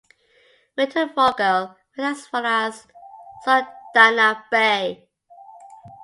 Wintervogel went as far as Saldanha Bay.